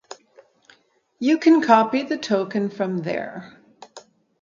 You can copy the token from there